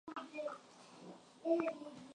mwandishi anaweza kuandika maelezo mafupi sana